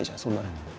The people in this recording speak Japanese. そんなの。